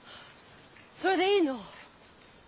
それでいいの？